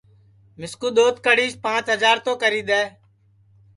مِسکُو دؔوت کڑیس پانٚچ ہجار تو کری دؔے